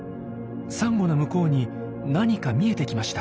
サンゴの向こうに何か見えてきました。